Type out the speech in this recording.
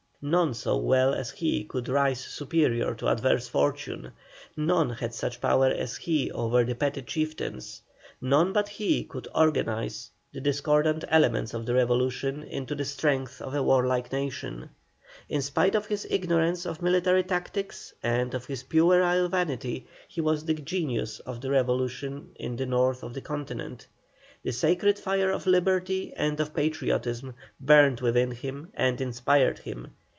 None so well as he could rise superior to adverse fortune, none had such power as he over the petty chieftains, none but he could organize the discordant elements of the revolution into the strength of a warlike nation. Spite of his ignorance of military tactics and of his puerile vanity, he was the genius of the revolution in the North of the Continent. The sacred fire of liberty and of patriotism burned within him and inspired him.